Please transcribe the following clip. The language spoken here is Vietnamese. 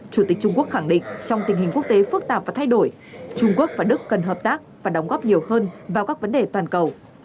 chủ tịch trung quốc khẳng định trong tình hình quốc tế phức tạp và thay đổi trung quốc và đức cần hợp tác và đóng góp nhiều hơn vào các vấn đề toàn cầu